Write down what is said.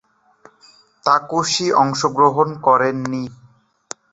তাকুশি অংশগ্রহণ করেননি।